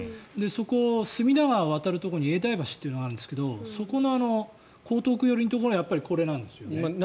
そこ、隅田川を渡るところに永代橋というのがあるんですがそこの江東区寄りのところはこれなんですよね。